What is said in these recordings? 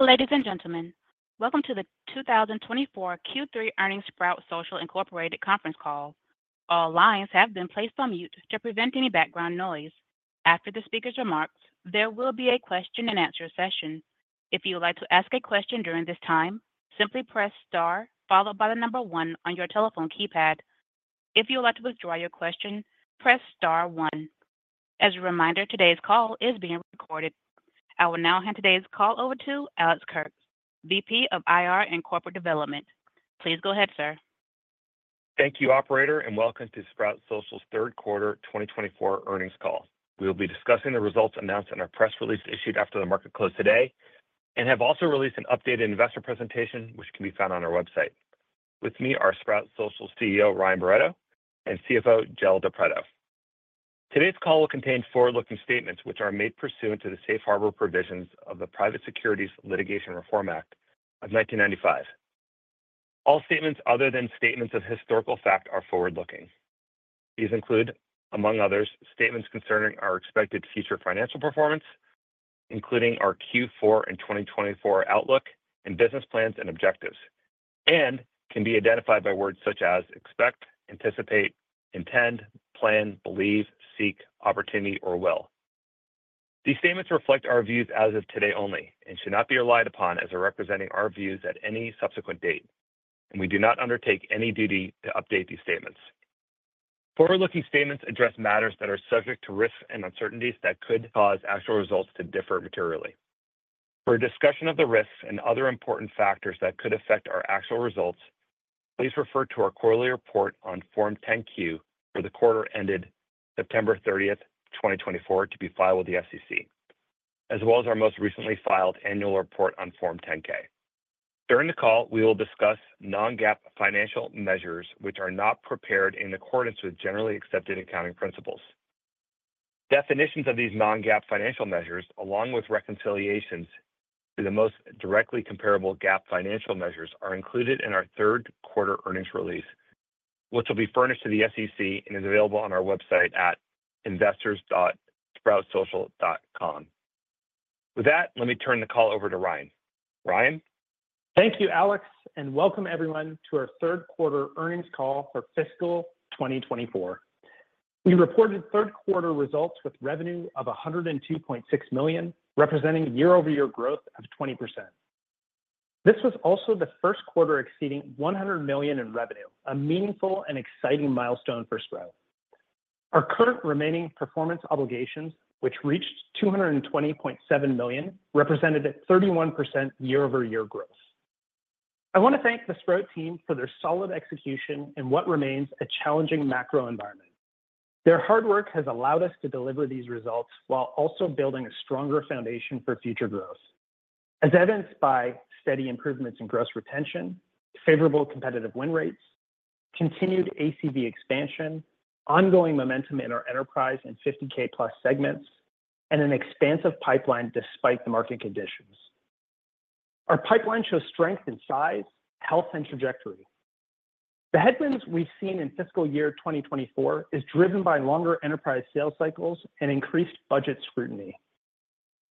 Ladies and gentlemen, welcome to the 2024 Q3 Earnings Sprout Social Incorporated conference call. All lines have been placed on mute to prevent any background noise. After the speaker's remarks, there will be a question-and-answer session. If you would like to ask a question during this time, simply press star followed by the number one on your telephone keypad. If you would like to withdraw your question, press star one. As a reminder, today's call is being recorded. I will now hand today's call over to Alex Kurtz, VP of IR and Corporate Development. Please go ahead, sir. Thank you, Operator, and welcome to Sprout Social's third quarter 2024 earnings call. We will be discussing the results announced in our press release issued after the market closed today and have also released an updated investor presentation, which can be found on our website. With me are Sprout Social's CEO, Ryan Barretto, and CFO, Joe Del Preto. Today's call will contain forward-looking statements, which are made pursuant to the safe harbor provisions of the Private Securities Litigation Reform Act of 1995. All statements other than statements of historical fact are forward-looking. These include, among others, statements concerning our expected future financial performance, including our Q4 and 2024 outlook and business plans and objectives, and can be identified by words such as expect, anticipate, intend, plan, believe, seek, opportunity, or will. These statements reflect our views as of today only and should not be relied upon as representing our views at any subsequent date, and we do not undertake any duty to update these statements. Forward-looking statements address matters that are subject to risks and uncertainties that could cause actual results to differ materially. For a discussion of the risks and other important factors that could affect our actual results, please refer to our quarterly report on Form 10-Q for the quarter ended September 30th, 2024, to be filed with the SEC, as well as our most recently filed annual report on Form 10-K. During the call, we will discuss non-GAAP financial measures which are not prepared in accordance with generally accepted accounting principles. Definitions of these non-GAAP financial measures, along with reconciliations to the most directly comparable GAAP financial measures, are included in our third quarter earnings release, which will be furnished to the SEC and is available on our website at investors.sproutsocial.com. With that, let me turn the call over to Ryan. Ryan. Thank you, Alex, and welcome everyone to our third quarter earnings call for fiscal 2024. We reported third quarter results with revenue of $102.6 million, representing year-over-year growth of 20%. This was also the first quarter exceeding $100 million in revenue, a meaningful and exciting milestone for Sprout. Our current remaining performance obligations, which reached $220.7 million, represented a 31% year-over-year growth. I want to thank the Sprout team for their solid execution in what remains a challenging macro environment. Their hard work has allowed us to deliver these results while also building a stronger foundation for future growth, as evidenced by steady improvements in gross retention, favorable competitive win rates, continued ACV expansion, ongoing momentum in our enterprise and 50K plus segments, and an expansive pipeline despite the market conditions. Our pipeline shows strength in size, health, and trajectory. The headwinds we've seen in fiscal year 2024 are driven by longer enterprise sales cycles and increased budget scrutiny.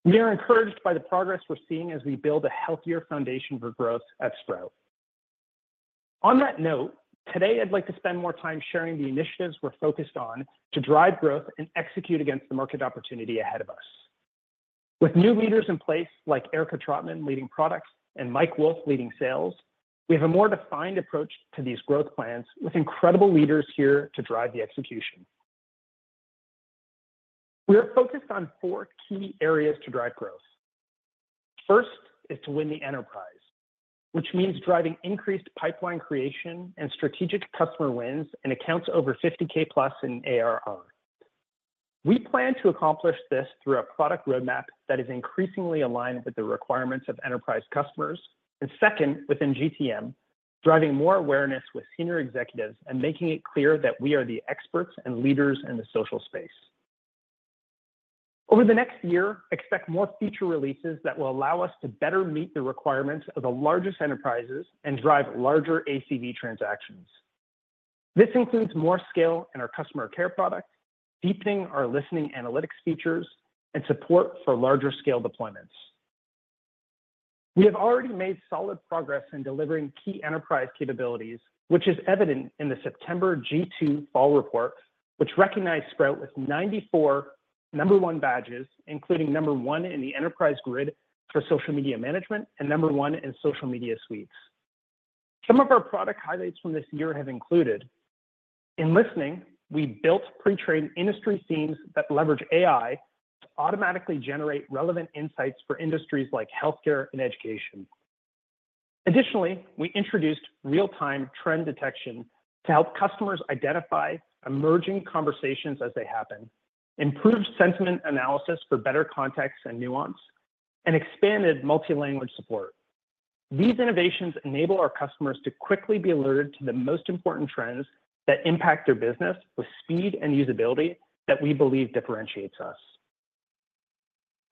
We are encouraged by the progress we're seeing as we build a healthier foundation for growth at Sprout. On that note, today I'd like to spend more time sharing the initiatives we're focused on to drive growth and execute against the market opportunity ahead of us. With new leaders in place like Erica Trautman leading products and Mike Wolff leading sales, we have a more defined approach to these growth plans with incredible leaders here to drive the execution. We are focused on four key areas to drive growth. First is to win the enterprise, which means driving increased pipeline creation and strategic customer wins and accounts over 50K plus in ARR. We plan to accomplish this through a product roadmap that is increasingly aligned with the requirements of enterprise customers and, second, within GTM, driving more awareness with senior executives and making it clear that we are the experts and leaders in the social space. Over the next year, expect more feature releases that will allow us to better meet the requirements of the largest enterprises and drive larger ACV transactions. This includes more scale in our customer care product, deepening our listening analytics features, and support for larger scale deployments. We have already made solid progress in delivering key enterprise capabilities, which is evident in the September G2 Fall report, which recognized Sprout with 94 number one badges, including number one in the Enterprise Grid for Social Media Management and number one in Social Media Suites. Some of our product highlights from this year have included: in listening, we built pre-trained industry themes that leverage AI to automatically generate relevant insights for industries like healthcare and education. Additionally, we introduced real-time trend detection to help customers identify emerging conversations as they happen, improved sentiment analysis for better context and nuance, and expanded multi-language support. These innovations enable our customers to quickly be alerted to the most important trends that impact their business with speed and usability that we believe differentiates us.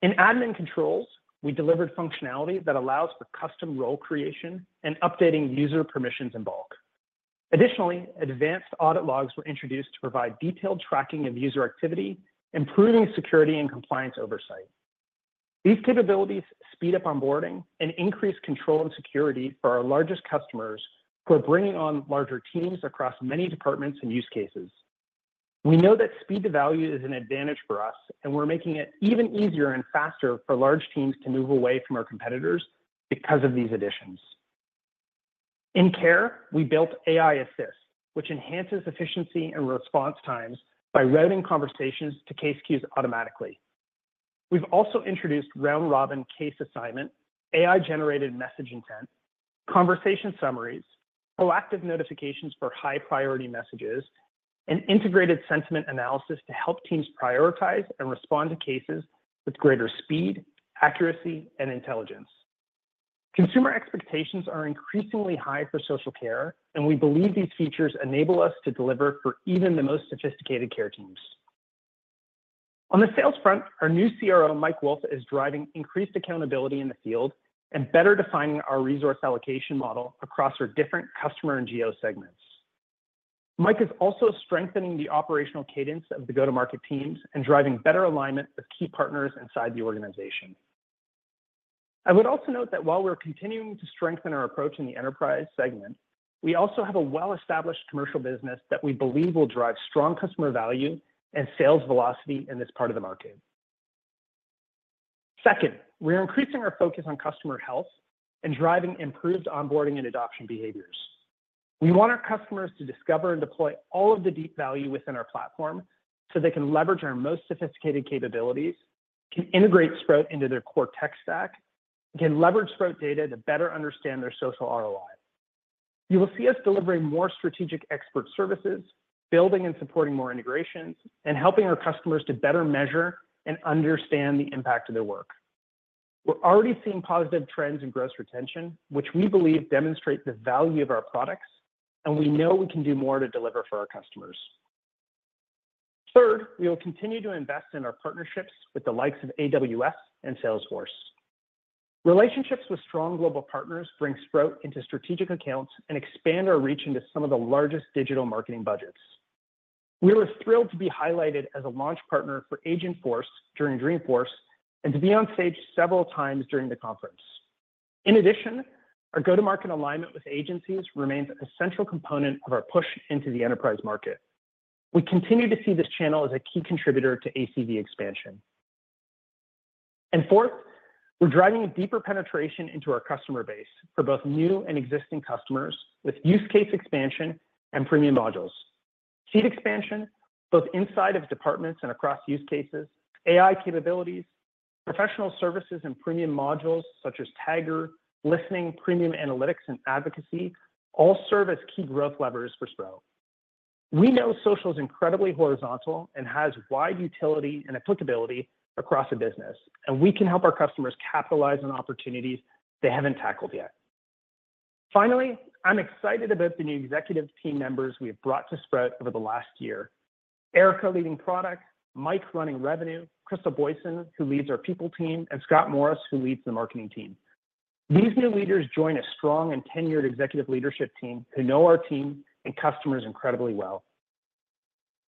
In admin controls, we delivered functionality that allows for custom role creation and updating user permissions in bulk. Additionally, advanced audit logs were introduced to provide detailed tracking of user activity, improving security and compliance oversight. These capabilities speed up onboarding and increase control and security for our largest customers who are bringing on larger teams across many departments and use cases. We know that speed to value is an advantage for us, and we're making it even easier and faster for large teams to move away from our competitors because of these additions. In care, we built AI Assist, which enhances efficiency and response times by routing conversations to case queues automatically. We've also introduced round-robin case assignment, AI-generated message intent, conversation summaries, proactive notifications for high-priority messages, and integrated sentiment analysis to help teams prioritize and respond to cases with greater speed, accuracy, and intelligence. Consumer expectations are increasingly high for social care, and we believe these features enable us to deliver for even the most sophisticated care teams. On the sales front, our new CRO, Mike Wolff, is driving increased accountability in the field and better defining our resource allocation model across our different customer and GTM segments. Mike is also strengthening the operational cadence of the go-to-market teams and driving better alignment with key partners inside the organization. I would also note that while we're continuing to strengthen our approach in the enterprise segment, we also have a well-established commercial business that we believe will drive strong customer value and sales velocity in this part of the market. Second, we are increasing our focus on customer health and driving improved onboarding and adoption behaviors. We want our customers to discover and deploy all of the deep value within our platform so they can leverage our most sophisticated capabilities, can integrate Sprout into their core tech stack, and can leverage Sprout data to better understand their social ROI. You will see us delivering more strategic expert services, building and supporting more integrations, and helping our customers to better measure and understand the impact of their work. We're already seeing positive trends in gross retention, which we believe demonstrate the value of our products, and we know we can do more to deliver for our customers. Third, we will continue to invest in our partnerships with the likes of AWS and Salesforce. Relationships with strong global partners bring Sprout into strategic accounts and expand our reach into some of the largest digital marketing budgets. We were thrilled to be highlighted as a launch partner for Agentforce during Dreamforce and to be on stage several times during the conference. In addition, our go-to-market alignment with agencies remains a central component of our push into the enterprise market. We continue to see this channel as a key contributor to ACV expansion. And fourth, we're driving a deeper penetration into our customer base for both new and existing customers with use case expansion and premium modules. Seed expansion, both inside of departments and across use cases, AI capabilities, professional services, and premium modules such as Tagger, listening, Premium Analytics, and Advocacy all serve as key growth levers for Sprout. We know social is incredibly horizontal and has wide utility and applicability across a business, and we can help our customers capitalize on opportunities they haven't tackled yet. Finally, I'm excited about the new executive team members we have brought to Sprout over the last year: Erica leading product, Mike running revenue, Crystal Boysen, who leads our people team, and Scott Morris, who leads the marketing team. These new leaders join a strong and tenured executive leadership team who know our team and customers incredibly well.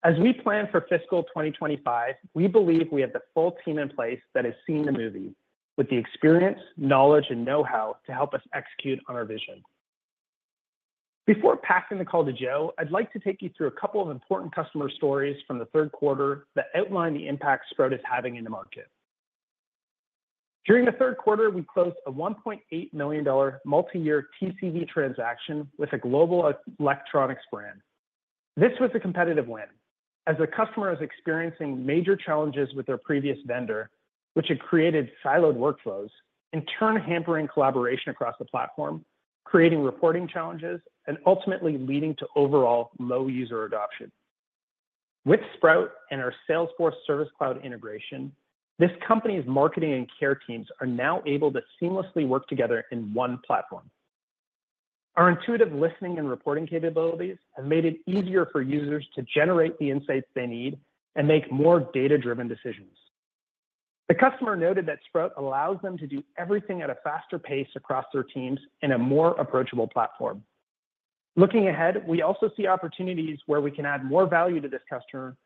As we plan for fiscal 2025, we believe we have the full team in place that has seen the movie, with the experience, knowledge, and know-how to help us execute on our vision. Before passing the call to Joe, I'd like to take you through a couple of important customer stories from the third quarter that outline the impact Sprout is having in the market. During the third quarter, we closed a $1.8 million multi-year TCV transaction with a global electronics brand. This was a competitive win as a customer is experiencing major challenges with their previous vendor, which had created siloed workflows and in turn hampering collaboration across the platform, creating reporting challenges and ultimately leading to overall low user adoption. With Sprout and our Salesforce Service Cloud integration, this company's marketing and care teams are now able to seamlessly work together in one platform. Our intuitive listening and reporting capabilities have made it easier for users to generate the insights they need and make more data-driven decisions. The customer noted that Sprout allows them to do everything at a faster pace across their teams in a more approachable platform. Looking ahead, we also see opportunities where we can add more value to this customer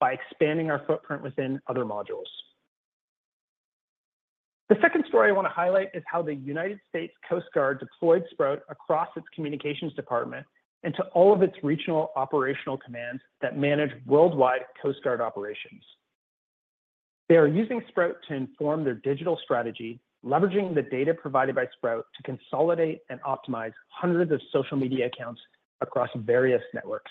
by expanding our footprint within other modules. The second story I want to highlight is how the United States Coast Guard deployed Sprout across its communications department and to all of its regional operational commands that manage worldwide Coast Guard operations. They are using Sprout to inform their digital strategy, leveraging the data provided by Sprout to consolidate and optimize hundreds of social media accounts across various networks.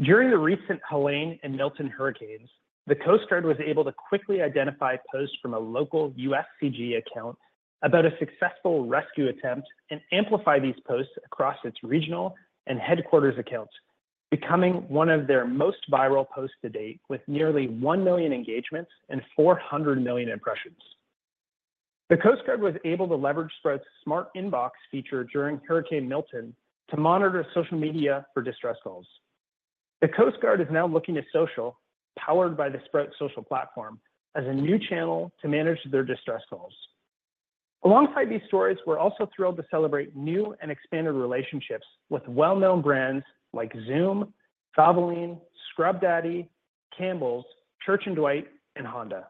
During the recent Helene and Milton hurricanes, the Coast Guard was able to quickly identify posts from a local USCG account about a successful rescue attempt and amplify these posts across its regional and headquarters accounts, becoming one of their most viral posts to date with nearly 1 million engagements and 400 million impressions. The Coast Guard was able to leverage Sprout's Smart Inbox feature during Hurricane Milton to monitor social media for distress calls. The Coast Guard is now looking to social, powered by the Sprout Social platform, as a new channel to manage their distress calls. Alongside these stories, we're also thrilled to celebrate new and expanded relationships with well-known brands like Zoom, Valvoline, Scrub Daddy, Campbell's, Church & Dwight, and Honda.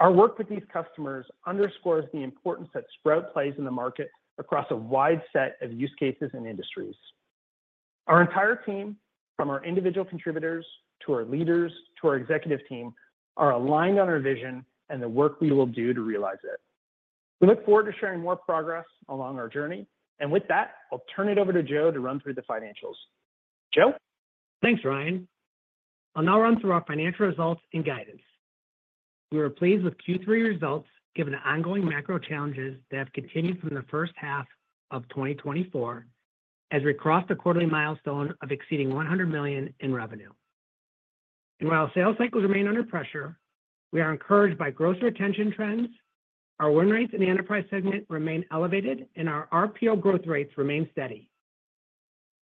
Our work with these customers underscores the importance that Sprout plays in the market across a wide set of use cases and industries. Our entire team, from our individual contributors to our leaders to our executive team, are aligned on our vision and the work we will do to realize it. We look forward to sharing more progress along our journey. And with that, I'll turn it over to Joe to run through the financials. Joe? Thanks, Ryan. I'll now run through our financial results and guidance. We were pleased with Q3 results given the ongoing macro challenges that have continued from the first half of 2024 as we crossed the quarterly milestone of exceeding $100 million in revenue. And while sales cycles remain under pressure, we are encouraged by gross retention trends, our win rates in the enterprise segment remain elevated, and our RPO growth rates remain steady.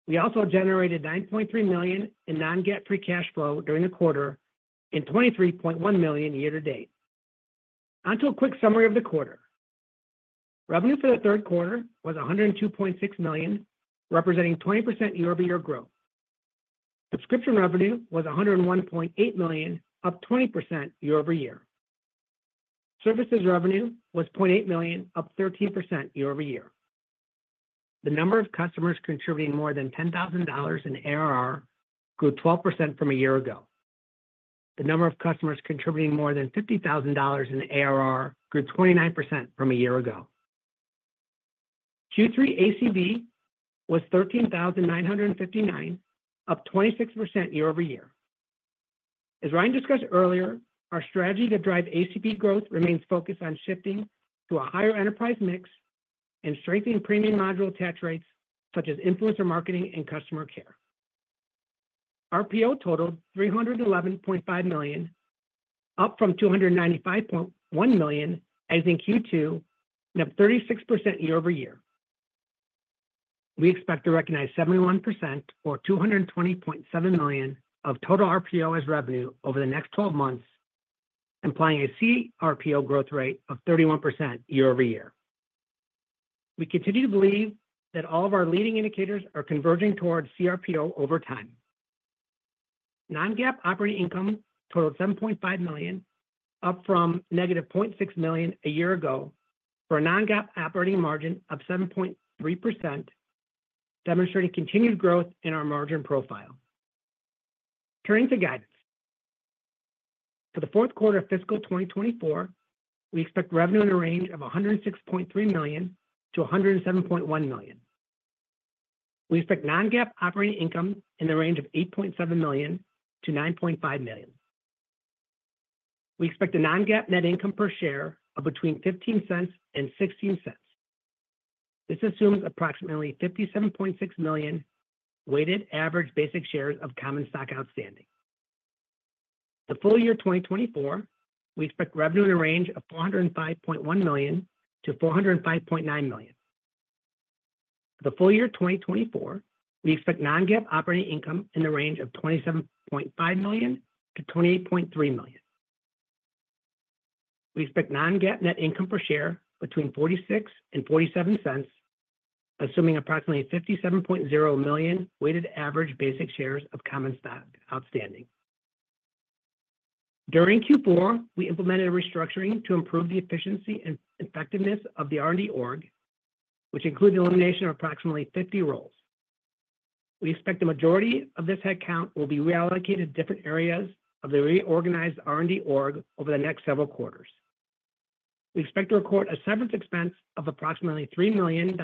We also generated $9.3 million in non-GAAP free cash flow during the quarter and $23.1 million year to date. On to a quick summary of the quarter. Revenue for the third quarter was $102.6 million, representing 20% year-over-year growth. Subscription revenue was $101.8 million, up 20% year-over-year. Services revenue was $0.8 million, up 13% year-over-year. The number of customers contributing more than $10,000 in ARR grew 12% from a year ago. The number of customers contributing more than $50,000 in ARR grew 29% from a year ago. Q3 ACV was $13,959, up 26% year-over-year. As Ryan discussed earlier, our strategy to drive ACV growth remains focused on shifting to a higher enterprise mix and strengthening premium module attach rates such as influencer marketing and customer care. RPO totaled $311.5 million, up from $295.1 million, as in Q2, and up 36% year-over-year. We expect to recognize 71% or $220.7 million of total RPO as revenue over the next 12 months, implying a CRPO growth rate of 31% year-over-year. We continue to believe that all of our leading indicators are converging towards CRPO over time. Non-GAAP operating income totaled $7.5 million, up from negative $0.6 million a year ago for a Non-GAAP operating margin of 7.3%, demonstrating continued growth in our margin profile. Turning to guidance. For the fourth quarter of fiscal 2024, we expect revenue in the range of $106.3 million-$107.1 million. We expect Non-GAAP operating income in the range of $8.7 million-$9.5 million. We expect the Non-GAAP net income per share of between $0.15 and $0.16. This assumes approximately 57.6 million weighted average basic shares of common stock outstanding. The full year 2024, we expect revenue in the range of $405.1 million-$405.9 million. For the full year 2024, we expect Non-GAAP operating income in the range of $27.5 million-$28.3 million. We expect non-GAAP net income per share between $0.46 and $0.47, assuming approximately 57.0 million weighted average basic shares of common stock outstanding. During Q4, we implemented a restructuring to improve the efficiency and effectiveness of the R&D org, which included the elimination of approximately 50 roles. We expect the majority of this headcount will be reallocated to different areas of the reorganized R&D org over the next several quarters. We expect to record a severance expense of approximately $3 million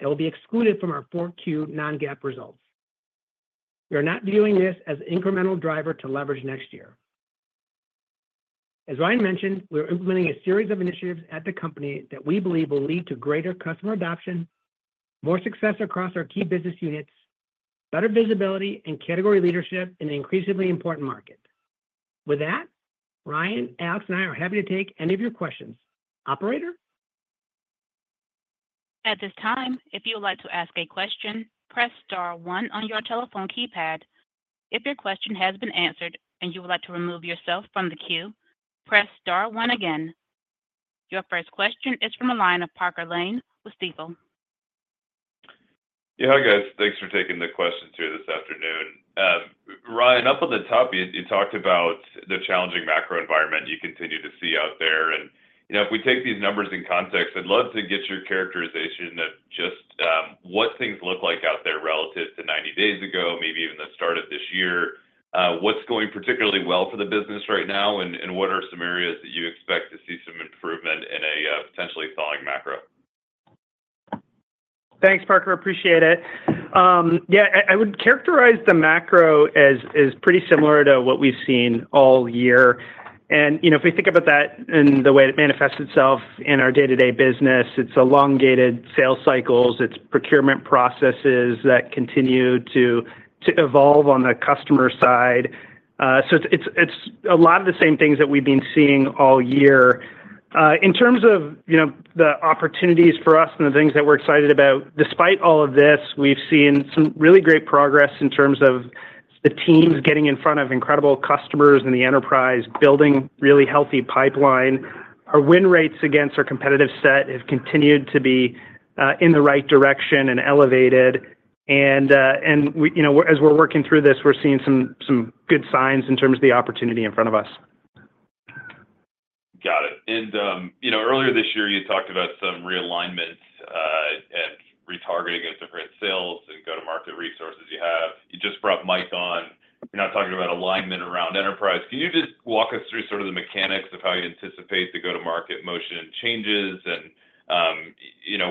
that will be excluded from our Q4 non-GAAP results. We are not viewing this as an incremental driver to leverage next year. As Ryan mentioned, we are implementing a series of initiatives at the company that we believe will lead to greater customer adoption, more success across our key business units, better visibility, and category leadership in an increasingly important market. With that, Ryan, Alex, and I are happy to take any of your questions. Operator? At this time, if you would like to ask a question, press star one on your telephone keypad. If your question has been answered and you would like to remove yourself from the queue, press star one again. Your first question is from a line of Parker Lane, Stifel. Yeah, hi guys. Thanks for taking the question through this afternoon. Ryan, up on the top, you talked about the challenging macro environment you continue to see out there, and if we take these numbers in context, I'd love to get your characterization of just what things look like out there relative to 90 days ago, maybe even the start of this year. What's going particularly well for the business right now, and what are some areas that you expect to see some improvement in a potentially thawing macro? Thanks, Parker. Appreciate it. Yeah, I would characterize the macro as pretty similar to what we've seen all year, and if we think about that in the way it manifests itself in our day-to-day business, it's elongated sales cycles. It's procurement processes that continue to evolve on the customer side, so it's a lot of the same things that we've been seeing all year. In terms of the opportunities for us and the things that we're excited about, despite all of this, we've seen some really great progress in terms of the teams getting in front of incredible customers in the enterprise, building really healthy pipeline. Our win rates against our competitive set have continued to be in the right direction and elevated. As we're working through this, we're seeing some good signs in terms of the opportunity in front of us. Got it. Earlier this year, you talked about some realignment and retargeting of different sales and go-to-market resources you have. You just brought Mike on. You're now talking about alignment around enterprise. Can you just walk us through sort of the mechanics of how you anticipate the go-to-market motion changes and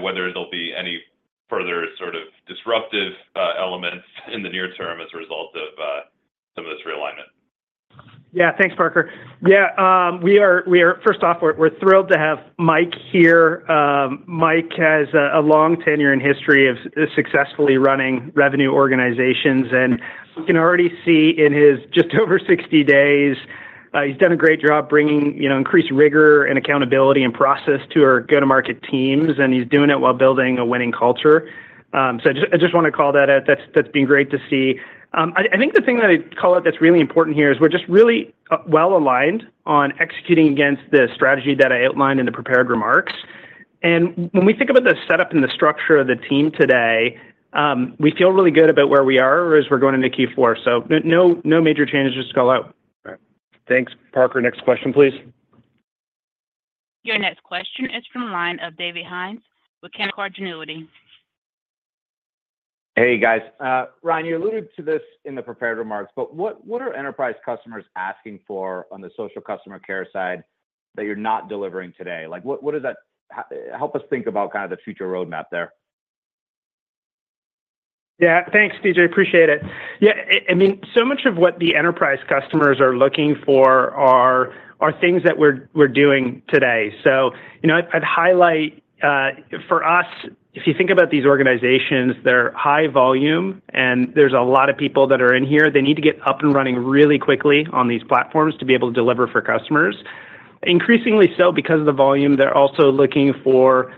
whether there'll be any further sort of disruptive elements in the near term as a result of some of this realignment? Yeah, thanks, Parker. Yeah, first off, we're thrilled to have Mike here. Mike has a long tenure and history of successfully running revenue organizations. We can already see in his just over 60 days, he's done a great job bringing increased rigor and accountability and process to our go-to-market teams. He's doing it while building a winning culture. I just want to call that out. That's been great to see. I think the thing that I'd call out that's really important here is we're just really well aligned on executing against the strategy that I outlined in the prepared remarks. When we think about the setup and the structure of the team today, we feel really good about where we are as we're going into Q4. No major changes to call out. Thanks, Parker. Next question, please. Your next question is from a line of David Hynes with Canaccord Genuity. Hey, guys. Ryan, you alluded to this in the prepared remarks, but what are enterprise customers asking for on the social customer care side that you're not delivering today? Help us think about kind of the future roadmap there. Yeah, thanks, David. Appreciate it. Yeah, I mean, so much of what the enterprise customers are looking for are things that we're doing today. So I'd highlight for us, if you think about these organizations, they're high volume, and there's a lot of people that are in here. They need to get up and running really quickly on these platforms to be able to deliver for customers. Increasingly so, because of the volume, they're also looking for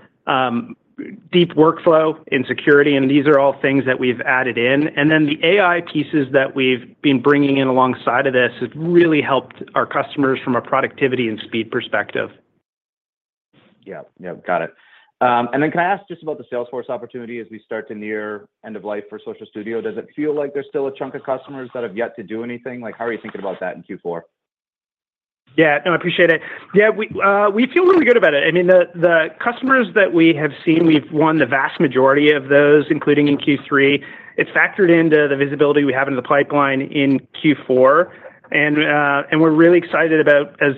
deep workflow and security. And these are all things that we've added in. And then the AI pieces that we've been bringing in alongside of this have really helped our customers from a productivity and speed perspective. Yeah, yeah, got it. And then can I ask just about the Salesforce opportunity as we start to near end of life for Social Studio? Does it feel like there's still a chunk of customers that have yet to do anything? How are you thinking about that in Q4? Yeah, no, I appreciate it. Yeah, we feel really good about it. I mean, the customers that we have seen, we've won the vast majority of those, including in Q3. It's factored into the visibility we have into the pipeline in Q4. And we're really excited about, as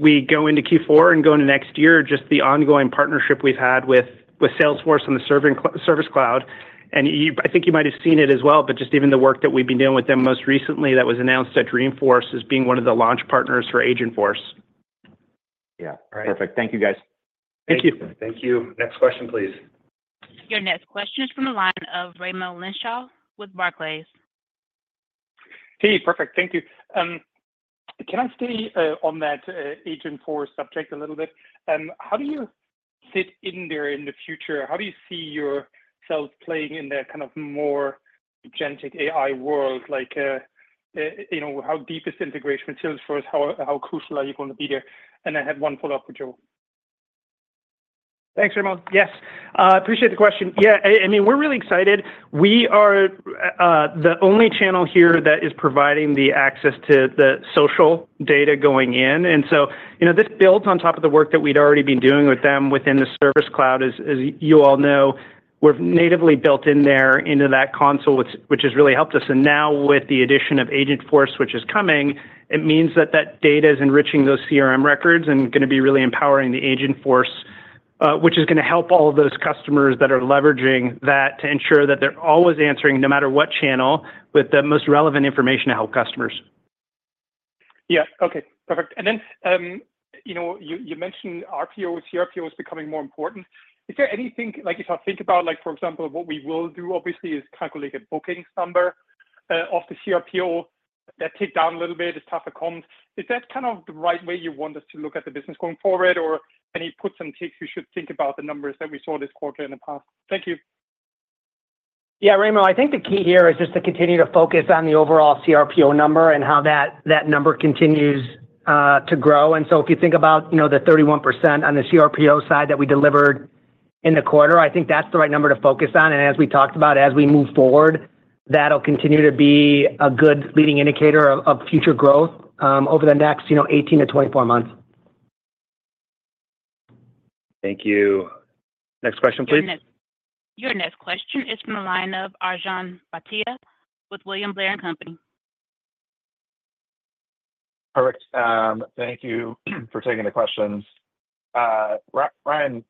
we go into Q4 and go into next year, just the ongoing partnership we've had with Salesforce and the Service Cloud. And I think you might have seen it as well, but just even the work that we've been doing with them most recently that was announced at Dreamforce as being one of the launch partners for Agentforce. Yeah, perfect. Thank you, guys. Thank you. Thank you. Next question, please. Your next question is from a line of Raimo Lenschow with Barclays. Hey, perfect. Thank you. Can I stay on that Agentforce subject a little bit? How do you sit in there in the future? How do you see yourself playing in that kind of more agentic AI world? How deep is the integration with Salesforce? How crucial are you going to be there? And I have one follow-up for Joe. Thanks, Raimo. Yes, I appreciate the question. Yeah, I mean, we're really excited. We are the only channel here that is providing the access to the social data going in. And so this builds on top of the work that we'd already been doing with them within the Service Cloud. As you all know, we've natively built in there into that console, which has really helped us. And now with the addition of Agentforce, which is coming, it means that that data is enriching those CRM records and going to be really empowering the Agentforce, which is going to help all of those customers that are leveraging that to ensure that they're always answering no matter what channel with the most relevant information to help customers. Yeah, okay. Perfect. And then you mentioned RPO. CRPO is becoming more important. Is there anything you think about, for example, what we will do, obviously, is calculate a booking number off the CRPO that takes down a little bit as traffic comes? Is that kind of the right way you want us to look at the business going forward, or any puts and takes you should think about the numbers that we saw this quarter in the past? Thank you. Yeah, Raimo, I think the key here is just to continue to focus on the overall CRPO number and how that number continues to grow. And so if you think about the 31% on the CRPO side that we delivered in the quarter, I think that's the right number to focus on. And as we talked about, as we move forward, that'll continue to be a good leading indicator of future growth over the next 18-24 months. Thank you. Next question, please. Your next question is from a line of Arjun Bhatia with William Blair & Company. Perfect. Thank you for taking the questions. Ryan,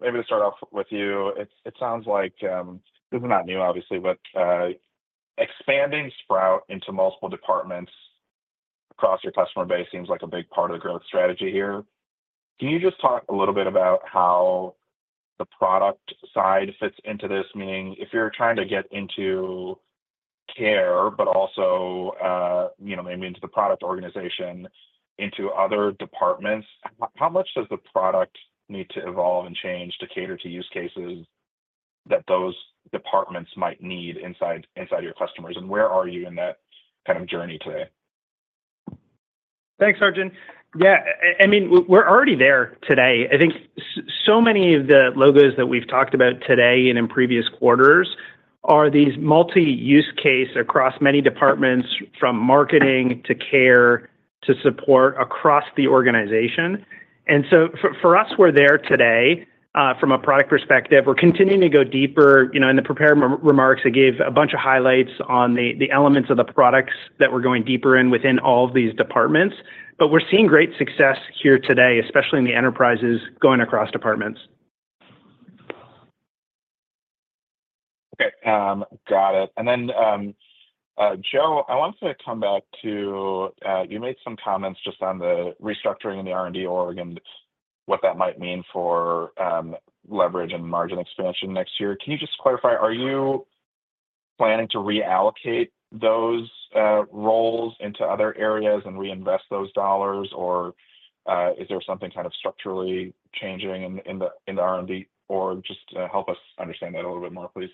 maybe to start off with you, it sounds like this is not new, obviously, but expanding Sprout into multiple departments across your customer base seems like a big part of the growth strategy here. Can you just talk a little bit about how the product side fits into this? Meaning, if you're trying to get into care, but also maybe into the product organization, into other departments, how much does the product need to evolve and change to cater to use cases that those departments might need inside your customers? And where are you in that kind of journey today? Thanks, Arjun. Yeah, I mean, we're already there today. I think so many of the logos that we've talked about today and in previous quarters are these multi-use case across many departments from marketing to care to support across the organization. And so for us, we're there today from a product perspective. We're continuing to go deeper. In the prepared remarks, I gave a bunch of highlights on the elements of the products that we're going deeper in within all of these departments. But we're seeing great success here today, especially in the enterprises going across departments. Okay, got it. And then, Joe, I want to come back to you. You made some comments just on the restructuring in the R&D org and what that might mean for leverage and margin expansion next year. Can you just clarify? Are you planning to reallocate those roles into other areas and reinvest those dollars, or is there something kind of structurally changing in the R&D? Or just help us understand that a little bit more, please.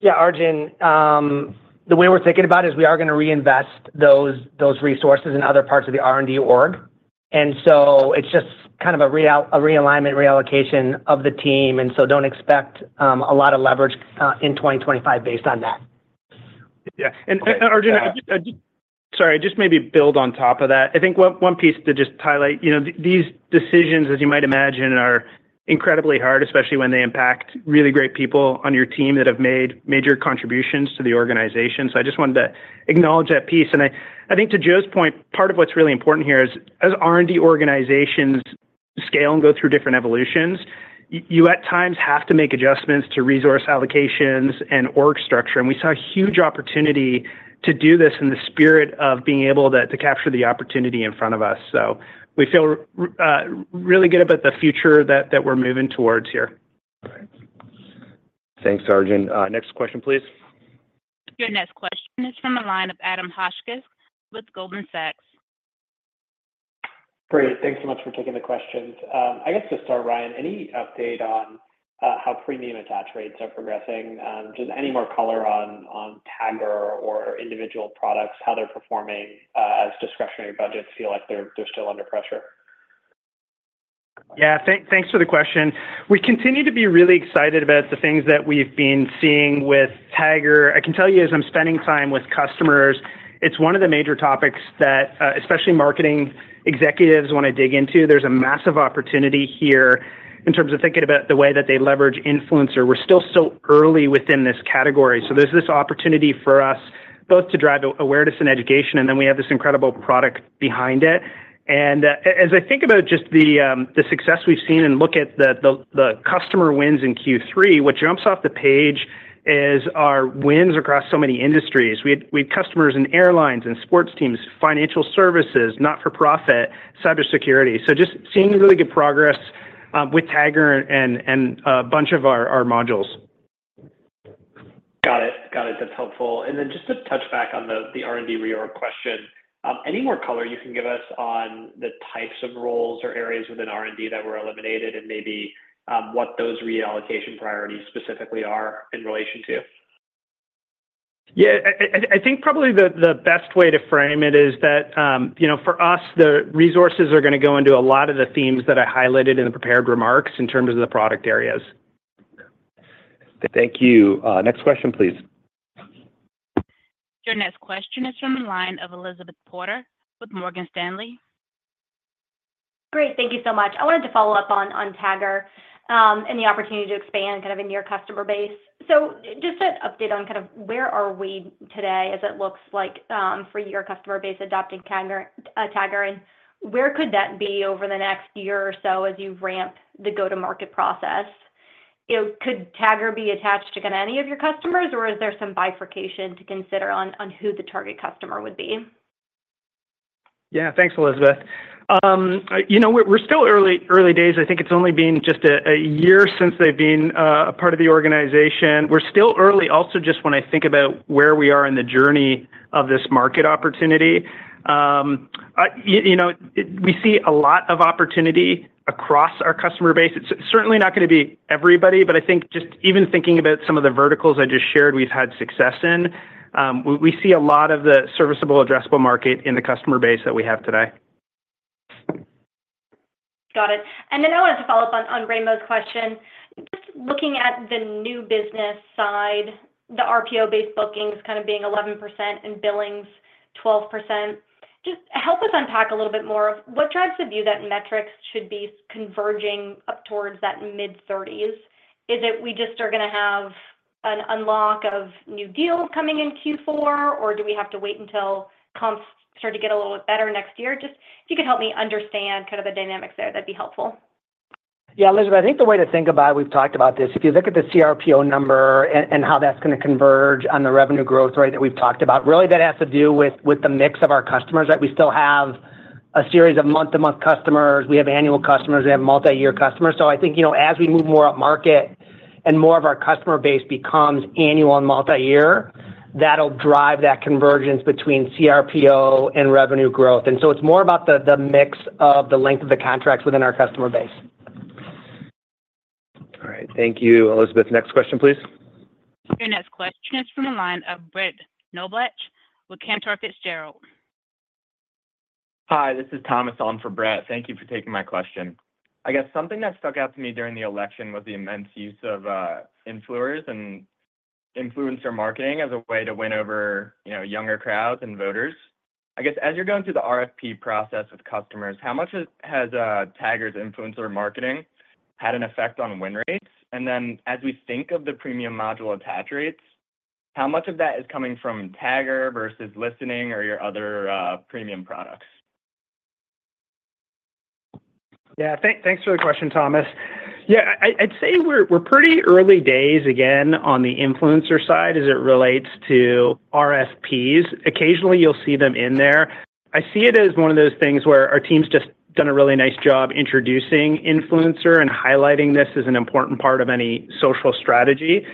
Yeah, Arjun, the way we're thinking about it is we are going to reinvest those resources in other parts of the R&D org. And so it's just kind of a realignment, reallocation of the team. And so don't expect a lot of leverage in 2025 based on that. Yeah. And Arjun, sorry, I just maybe build on top of that. I think one piece to just highlight, these decisions, as you might imagine, are incredibly hard, especially when they impact really great people on your team that have made major contributions to the organization. So I just wanted to acknowledge that piece. And I think to Joe's point, part of what's really important here is as R&D organizations scale and go through different evolutions, you at times have to make adjustments to resource allocations and org structure. And we saw a huge opportunity to do this in the spirit of being able to capture the opportunity in front of us. So we feel really good about the future that we're moving towards here. Thanks, Arjun. Next question, please. Your next question is from a line of Adam Hotchkiss with Goldman Sachs. Great. Thanks so much for taking the questions. I guess to start, Ryan, any update on how premium attach rates are progressing? Just any more color on Tagger or individual products, how they're performing as discretionary budgets feel like they're still under pressure? Yeah, thanks for the question. We continue to be really excited about the things that we've been seeing with Tagger. I can tell you, as I'm spending time with customers, it's one of the major topics that especially marketing executives want to dig into. There's a massive opportunity here in terms of thinking about the way that they leverage influencer. We're still so early within this category. So there's this opportunity for us both to drive awareness and education, and then we have this incredible product behind it. And as I think about just the success we've seen and look at the customer wins in Q3, what jumps off the page is our wins across so many industries. We have customers in airlines and sports teams, financial services, not-for-profit, cybersecurity. So just seeing really good progress with Tagger and a bunch of our modules. Got it. Got it. That's helpful. And then just to touch back on the R&D reorg question, any more color you can give us on the types of roles or areas within R&D that were eliminated and maybe what those reallocation priorities specifically are in relation to? Yeah, I think probably the best way to frame it is that for us, the resources are going to go into a lot of the themes that I highlighted in the prepared remarks in terms of the product areas. Thank you. Next question, please. Your next question is from a line of Elizabeth Porter with Morgan Stanley. Great. Thank you so much. I wanted to follow up on Tagger and the opportunity to expand kind of in your customer base. So just an update on kind of where are we today as it looks like for your customer base adopting Tagger? And where could that be over the next year or so as you ramp the go-to-market process? Could Tagger be attached to kind of any of your customers, or is there some bifurcation to consider on who the target customer would be? Yeah, thanks, Elizabeth. We're still early days. I think it's only been just a year since they've been a part of the organization. We're still early also just when I think about where we are in the journey of this market opportunity. We see a lot of opportunity across our customer base. It's certainly not going to be everybody, but I think just even thinking about some of the verticals I just shared we've had success in, we see a lot of the serviceable, addressable market in the customer base that we have today. Got it. And then I wanted to follow up on Raimo's question. Just looking at the new business side, the RPO-based bookings kind of being 11% and billings 12%, just help us unpack a little bit more of what drives the view that metrics should be converging up towards that mid-30s. Is it we just are going to have an unlock of new deals coming in Q4, or do we have to wait until comps start to get a little bit better next year? Just if you could help me understand kind of the dynamics there, that'd be helpful. Yeah, Elizabeth, I think the way to think about it, we've talked about this. If you look at the CRPO number and how that's going to converge on the revenue growth rate that we've talked about, really that has to do with the mix of our customers, right? We still have a series of month-to-month customers. We have annual customers. We have multi-year customers. So I think as we move more up market and more of our customer base becomes annual and multi-year, that'll drive that convergence between CRPO and revenue growth. And so it's more about the mix of the length of the contracts within our customer base. All right. Thank you, Elizabeth. Next question, please. Your next question is from a line of Brett Knoblauch with Cantor Fitzgerald. Hi, this is Thomas Allen on for Brett. Thank you for taking my question. I guess something that stuck out to me during the election was the immense use of influencer marketing as a way to win over younger crowds and voters. I guess as you're going through the RFP process with customers, how much has Tagger's influencer marketing had an effect on win rates? And then as we think of the premium module attach rates, how much of that is coming from Tagger versus listening or your other premium products? Yeah, thanks for the question, Thomas. Yeah, I'd say we're pretty early days again on the influencer side as it relates to RFPs. Occasionally, you'll see them in there. I see it as one of those things where our team's just done a really nice job introducing influencer and highlighting this as an important part of any social strategy.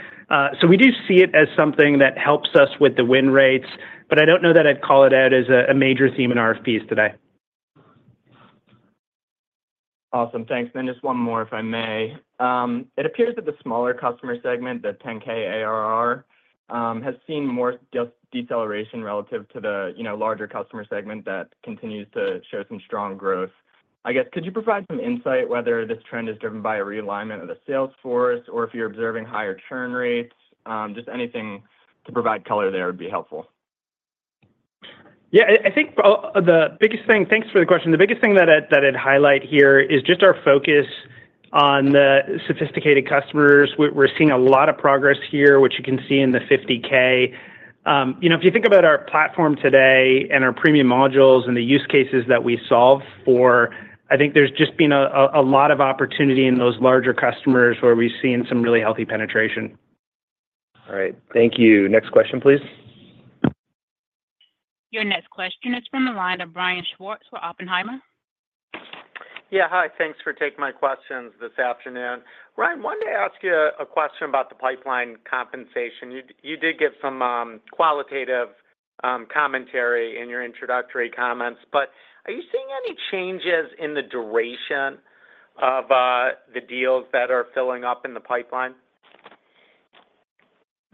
So we do see it as something that helps us with the win rates, but I don't know that I'd call it out as a major theme in RFPs today. Awesome. Thanks. Then just one more, if I may. It appears that the smaller customer segment, the 10K ARR, has seen more deceleration relative to the larger customer segment that continues to show some strong growth. I guess could you provide some insight whether this trend is driven by a realignment of the sales force or if you're observing higher churn rates? Just anything to provide color there would be helpful. Yeah, I think the biggest thing, thanks for the question, the biggest thing that I'd highlight here is just our focus on the sophisticated customers. We're seeing a lot of progress here, which you can see in the 50K. If you think about our platform today and our premium modules and the use cases that we solve for, I think there's just been a lot of opportunity in those larger customers where we've seen some really healthy penetration. All right. Thank you. Next question, please. Your next question is from a line of Brian Schwartz with Oppenheimer. Yeah, hi. Thanks for taking my questions this afternoon. Ryan, I wanted to ask you a question about the pipeline compensation. You did give some qualitative commentary in your introductory comments, but are you seeing any changes in the duration of the deals that are filling up in the pipeline?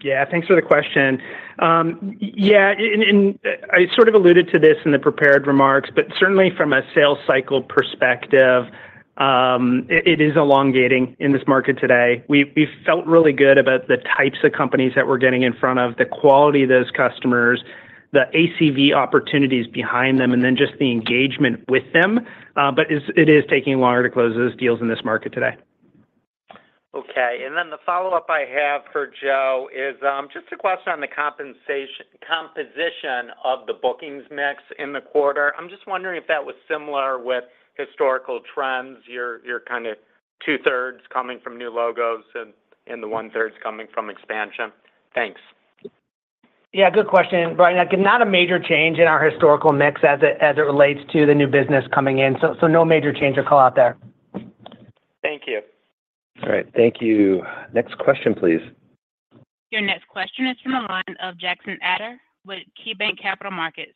Yeah, thanks for the question. Yeah, and I sort of alluded to this in the prepared remarks, but certainly from a sales cycle perspective, it is elongating in this market today. We felt really good about the types of companies that we're getting in front of, the quality of those customers, the ACV opportunities behind them, and then just the engagement with them. But it is taking longer to close those deals in this market today. Okay. And then the follow-up I have for Joe is just a question on the composition of the bookings mix in the quarter. I'm just wondering if that was similar with historical trends, your kind of two-thirds coming from new logos and the one-third coming from expansion. Thanks. Yeah, good question. Right. Not a major change in our historical mix as it relates to the new business coming in. So no major change or call-out there. Thank you. All right. Thank you. Next question, please. Your next question is from a line of Jackson Ader with KeyBanc Capital Markets.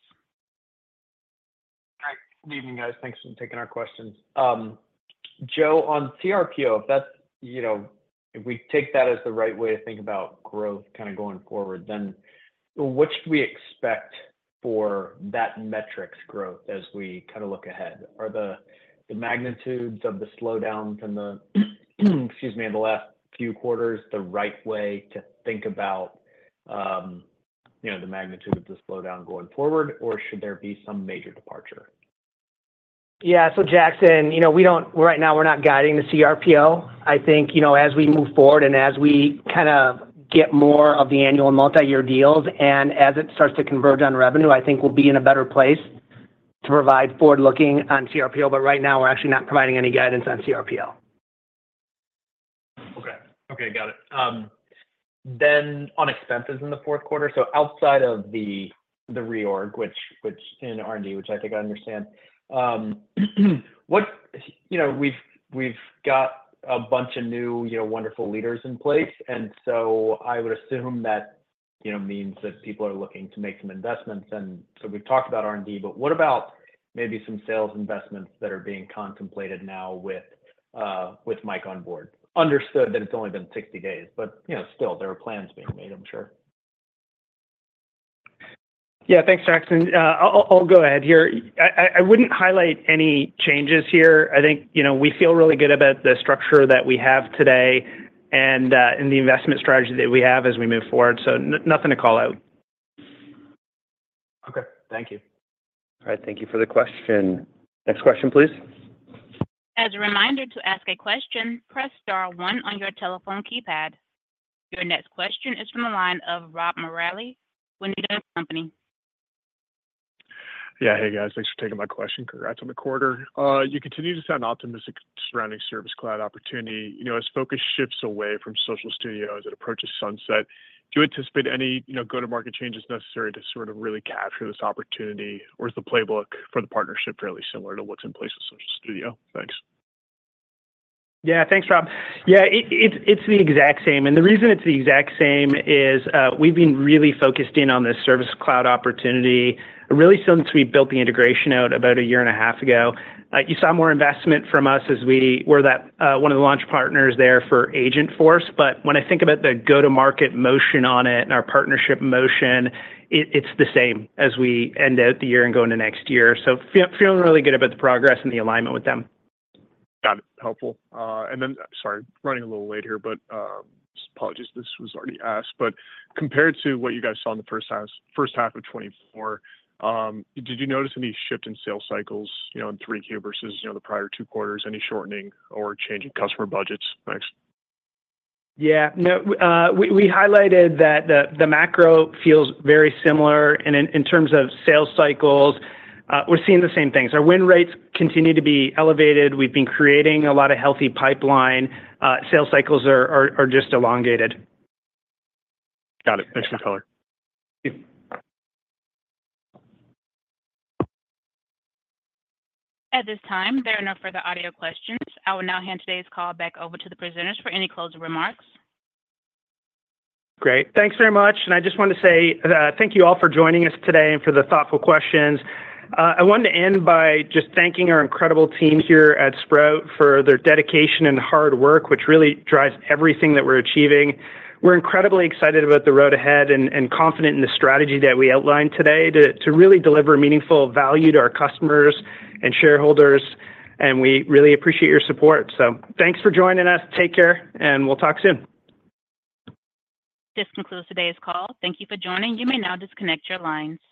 All right. Good evening, guys. Thanks for taking our questions. Joe, on CRPO, if we take that as the right way to think about growth kind of going forward, then what should we expect for that metrics growth as we kind of look ahead? Are the magnitudes of the slowdown from the, excuse me, of the last few quarters the right way to think about the magnitude of the slowdown going forward, or should there be some major departure? Yeah. So, Jackson, right now, we're not guiding the CRPO. I think as we move forward and as we kind of get more of the annual and multi-year deals and as it starts to converge on revenue, I think we'll be in a better place to provide forward-looking on CRPO. But right now, we're actually not providing any guidance on CRPO. Okay. Okay. Got it. Then, on expenses in the fourth quarter, so outside of the reorg in R&D, which I think I understand, we've got a bunch of new wonderful leaders in place. And so I would assume that means that people are looking to make some investments. And so we've talked about R&D, but what about maybe some sales investments that are being contemplated now with Mike on board? Understood that it's only been 60 days, but still, there are plans being made, I'm sure. Yeah. Thanks, Jackson. I'll go ahead here. I wouldn't highlight any changes here. I think we feel really good about the structure that we have today and in the investment strategy that we have as we move forward. So nothing to call out. Okay. Thank you. All right. Thank you for the question. Next question, please. As a reminder to ask a question, press star one on your telephone keypad. Your next question is from a line of Rob Oliver, Baird. Yeah. Hey, guys. Thanks for taking my question. Congrats on the quarter. You continue to sound optimistic surrounding Service Cloud opportunity. As focus shifts away from Social Studio as it approaches sunset, do you anticipate any go-to-market changes necessary to sort of really capture this opportunity, or is the playbook for the partnership fairly similar to what's in place with Social Studio? Thanks. Yeah. Thanks, Rob. Yeah. It's the exact same. And the reason it's the exact same is we've been really focused in on this Service Cloud opportunity really since we built the integration out about a year and a half ago. You saw more investment from us as we were one of the launch partners there for Agentforce. But when I think about the go-to-market motion on it and our partnership motion, it's the same as we end out the year and go into next year. So feeling really good about the progress and the alignment with them. Got it. Helpful. And then, sorry, running a little late here, but apologies. This was already asked. But compared to what you guys saw in the first half of 2024, did you notice any shift in sales cycles in the third quarter versus the prior two quarters? Any shortening or changing customer budgets? Thanks. Yeah. We highlighted that the macro feels very similar. And in terms of sales cycles, we're seeing the same things. Our win rates continue to be elevated. We've been creating a lot of healthy pipeline. Sales cycles are just elongated. Got it. Thanks for the color. At this time, there are no further audio questions. I will now hand today's call back over to the presenters for any closing remarks. Great. Thanks very much. And I just want to say thank you all for joining us today and for the thoughtful questions. I wanted to end by just thanking our incredible team here at Sprout for their dedication and hard work, which really drives everything that we're achieving. We're incredibly excited about the road ahead and confident in the strategy that we outlined today to really deliver meaningful value to our customers and shareholders. And we really appreciate your support. So thanks for joining us. Take care, and we'll talk soon. This concludes today's call. Thank you for joining. You may now disconnect your lines.